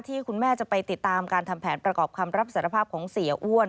ที่คุณแม่จะไปติดตามการทำแผนประกอบคำรับสารภาพของเสียอ้วน